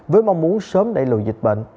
với mong muốn sớm đẩy lùi dịch bệnh